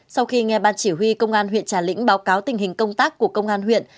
sau khi nghe ban chỉ huy công an huyện trà lĩnh báo cáo tình hình công tác của công an huyện